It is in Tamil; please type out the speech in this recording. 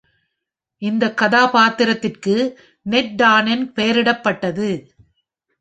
இந்தக் கதாபாத்திரத்திற்கு நெட் டானென் பெயரிடப்பட்டது.